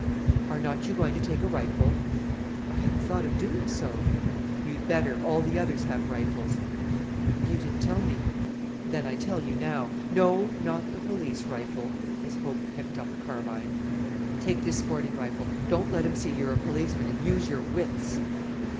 "Are not you going to take a rifle?" "I hadn't thought of doing so." "You'd better: all the others have rifles." "You didn't tell me." "Then I tell you now. No not the police rifle," as Hope picked up a carbine. "Take this sporting rifle. Don't let 'em see you are a policeman, and use your wits!"